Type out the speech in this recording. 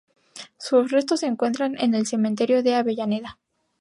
Sus restos se encuentran en el Cementerio de Avellaneda.